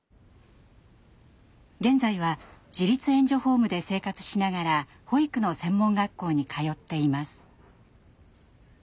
現在は自立援助ホームで生活しながら保育の専門学校に通っています。